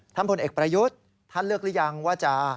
พลเอกประยุทธ์ท่านเลือกหรือยังว่าจะ